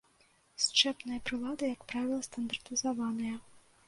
Счэпныя прылады, як правіла, стандартызаваныя.